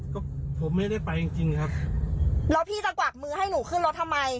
ก็ผมไม่ได้ไปจริงจริงครับแล้วพี่จะกวักมือให้หนูขึ้นรถทำไม